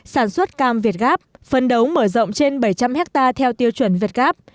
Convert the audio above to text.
sản xuất cam việt gáp phân đấu mở rộng trên bảy trăm linh hectare theo tiêu chuẩn việt gáp